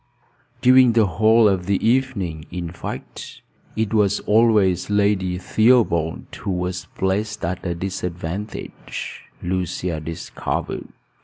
During the whole of the evening, in fact, it was always Lady Theobald who was placed at a disadvantage, Lucia discovered.